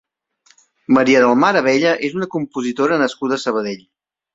Maria del Mar Abella és una compositora nascuda a Sabadell.